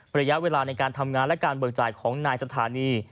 ระยะเวลาในการทำงานและการเบิกจ่ายของนายสถานี